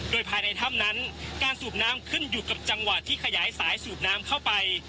โดยภายในถ้ำนั้นการสูบน้ำขึ้นอยู่กับจังหวะที่ขยายสายสูบน้ำเข้าไป